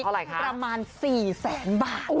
เท่าไหร่คะประมาณ๔แสนบาท